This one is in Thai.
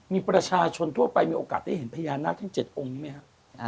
มีประชาชนทั่วไปมีโอกาสได้เห็นพญานาคทั้ง๗องค์นี้ไหมครับ